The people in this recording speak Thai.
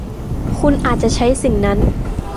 คุณอาจจะใช้สิ่งนั้น